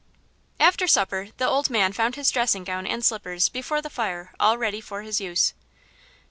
After supper the old man found his dressing gown and slippers before the fire all ready for his use.